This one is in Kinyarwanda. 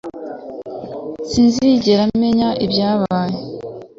Sinigeze menya ibyabaye